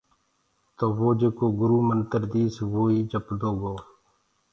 تو وو جيڪو گُرو منتر ديس وو ئي جپدو گو۔